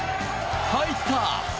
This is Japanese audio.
入った！